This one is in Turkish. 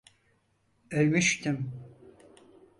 Ölmüştüm.